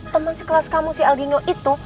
teman sekelas kamu si aldino itu